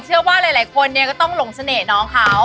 เชื่อว่าหลายคนเนี่ยก็ต้องหลงเสน่ห์น้องเขา